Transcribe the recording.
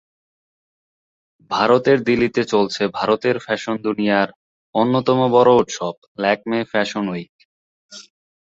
ভারতের দিল্লিতে চলছে ভারতের ফ্যাশন দুনিয়ার অন্যতম বড় উৎসব ল্যাকমে ফ্যাশন উইক।